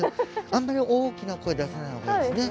あんまり大きな声出さない方がいいですね。